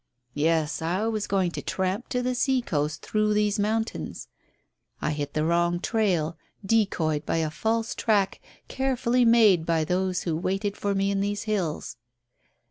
"Yes, I was going to tramp to the sea coast through these mountains. I hit the wrong trail, decoyed by a false track carefully made by those who waited for me in these hills."